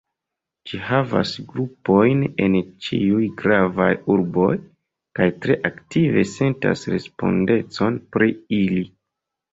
Ĝi havas grupojn en ĉiuj gravaj urboj, kaj tre aktive sentas respondecon pri ili.